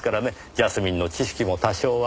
ジャスミンの知識も多少は。